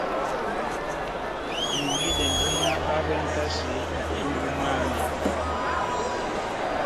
Ihulidɛndi náh barentase mʼpundungu mwámɛ.